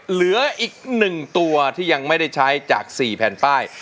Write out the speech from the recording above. เหลืออีก๑ตัวที่ยังไม่ได้ใช้จาก๔แผ่นป้าย